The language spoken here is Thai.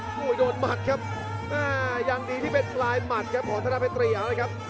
โอ้โหโดนหมัดครับอ่ายังดีที่เป็นปลายหมัดครับของธนาเพชรเกรียวนะครับ